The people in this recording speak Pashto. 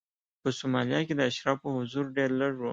په سومالیا کې د اشرافو حضور ډېر لږ و.